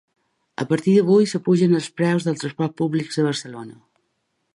A partir d’avui s’apugen els preus dels transports públics de Barcelona.